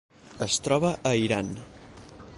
Es troba a Iran.